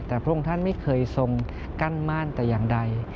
แต่พระองค์ท่านไม่เคยทรงกั้นม่านแต่อย่างใด